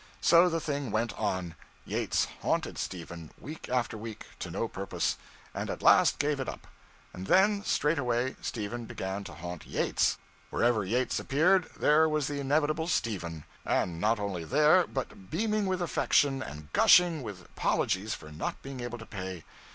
So the thing went on. Yates haunted Stephen week after week, to no purpose, and at last gave it up. And then straightway Stephen began to haunt Yates! Wherever Yates appeared, there was the inevitable Stephen. And not only there, but beaming with affection and gushing with apologies for not being able to pay.